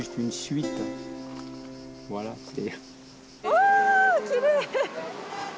わあきれい！